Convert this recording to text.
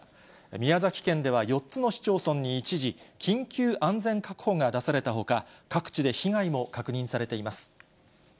宮崎県では４つの市町村に一時、緊急安全確保が出されたほか、各地で被害も確認されています。